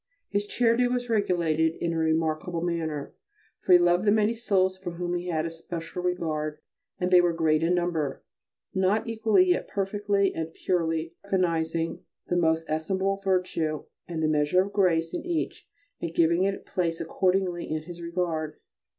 His charity was regulated in a remarkable manner, for he loved the many souls for whom he had a special regard, and they were great in number, not equally yet perfectly, and purely, recognizing the most estimable virtue and the measure of grace in each and giving it place accordingly in his regard.